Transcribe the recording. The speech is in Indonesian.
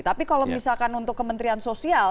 tapi kalau misalkan untuk kementerian sosial